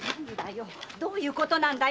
どういうことなんだよ